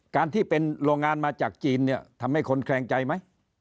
การที่เป็นโรงงานมาจากจีนเนี่ยทำให้คนแคลงใจไหม